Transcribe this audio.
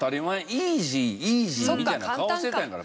イージーイージーみたいな顔してたんやから。